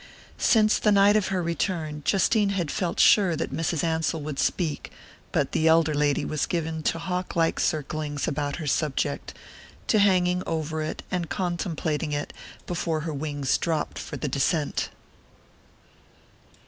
Since the night of her return Justine had felt sure that Mrs. Ansell would speak; but the elder lady was given to hawk like circlings about her subject, to hanging over it and contemplating it before her wings dropped for the descent.